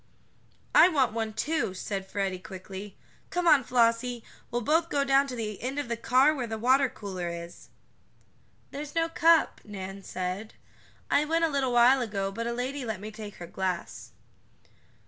"I want one, too," said Freddie quicky. "Come on, Flossie, we'll both go down to the end of the car where the water cooler is." "There's no cup," Nan said. "I went a little while ago, but a lady let me take her glass."